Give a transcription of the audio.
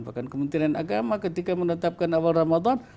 bahkan kementerian agama ketika menetapkan awal ramadan